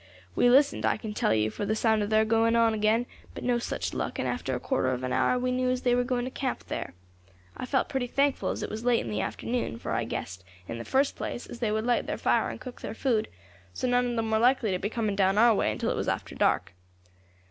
We listened, I can tell you, for the sound of their going on again; but no such luck, and after a quarter of an hour we knew as they were going to camp there. I felt pretty thankful as it was late in the afternoon, for I guessed, in the first place, as they would light their fire and cook their food, so none of them war likely to be coming down our way until it was after dark.